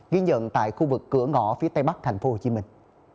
ghi nhận tại khu vực cửa ngõ phía tây bắc thành phố hồ chí minh